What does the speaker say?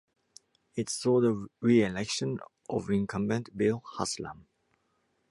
It saw the reelection of incumbent Bill Haslam.